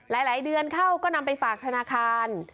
หลายเดือนเข้าก็นำไปฝากธนาคาร